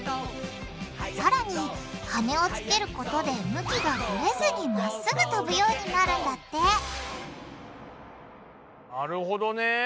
さらに羽をつけることで向きがぶれずにまっすぐ飛ぶようになるんだってなるほどね。